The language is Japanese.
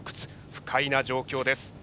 不快な状況です。